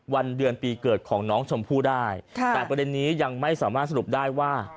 วันเดือนปีเกิดของน้องชมพู่ได้ค่ะแต่ประเด็นนี้ยังไม่สามารถสรุปได้ว่า